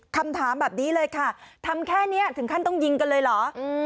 คำถามแบบนี้เลยค่ะทำแค่นี้ถึงขั้นต้องยิงกันเลยเหรอ